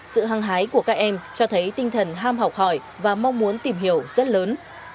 sự hăng hái của các em cho thấy tinh thần ham học hỏi và mong muốn tìm hiểu rất lớn